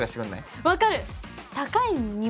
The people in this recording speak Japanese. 分かる！